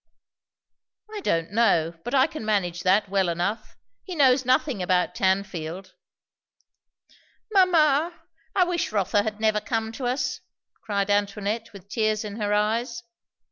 "I don't know; but I can manage that, well enough. He knows nothing about Tanfield." "Mamma! I wish Rotha had never come to us!" cried Antoinette with tears in her eyes.